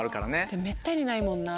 でもめったにないもんな。